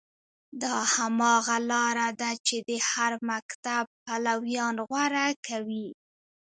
دا هماغه لاره ده چې د هر مکتب پلویان غوره کوي.